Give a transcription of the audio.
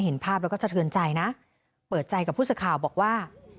เห็นภาพแล้วก็เชิญใจนะเปิดใจกับผู้สิทธิ์ข่าวบอกว่า